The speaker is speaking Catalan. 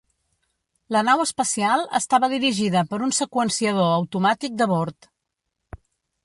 La nau espacial estava dirigida per un seqüenciador automàtic de bord.